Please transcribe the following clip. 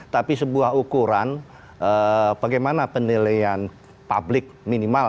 tapi sebuah ukuran bagaimana penilaian publik minimal